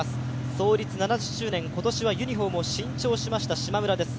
創立７０周年、今年はユニフォームを新調しましたしまむらです。